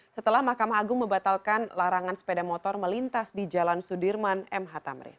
setelah mahkamah agung membatalkan larangan sepeda motor melintas di jalan sudirman mh tamrin